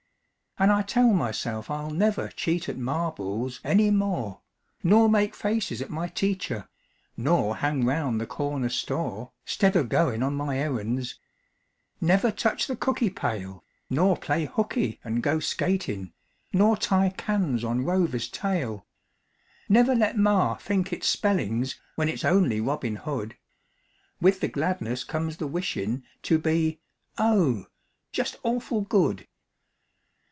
An' I tell myself I'll never Cheat at marbles any more, Nor make faces at my teacher, Nor hang round the corner store 'Stead of goin' on my errands; Never touch the cookie pail, Nor play hooky an' go skatin', Nor tie cans on Rover's tail; Never let ma think it's spellings When it's only Robin Hood. With the gladness comes the wishin' To be, oh, just awful good!